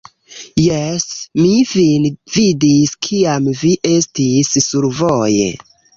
Jes, mi vin vidis kiam vi estis survoje